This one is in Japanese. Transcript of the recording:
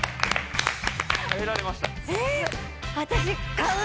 耐えられました。